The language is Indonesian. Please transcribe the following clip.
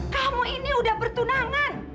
kamu ini udah bertunangan